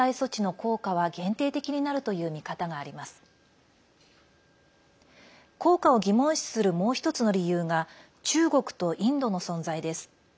効果を疑問視するもう１つの理由が中国とインドの存在です。